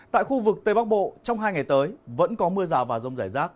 tại khu vực tây bắc bộ trong hai ngày tới vẫn có mưa rào và rông rải rác